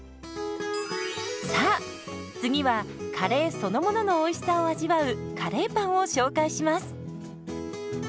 さあ次はカレーそのもののおいしさを味わうカレーパンを紹介します。